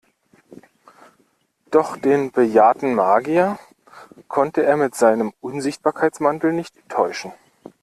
Doch den bejahrten Magier konnte er mit seinem Unsichtbarkeitsmantel nicht täuschen.